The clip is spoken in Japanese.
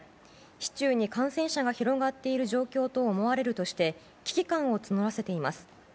市中に感染者が広がっている状況と思われるとして危機感を募らせています。